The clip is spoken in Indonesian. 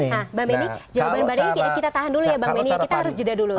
nah bang benny jawaban baru ini kita tahan dulu ya bang benny